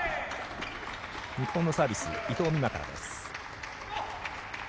日本のサービスは伊藤美誠からです。